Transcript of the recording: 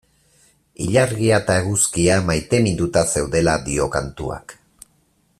Ilargia eta eguzkia maiteminduta zeudela dio kantuak.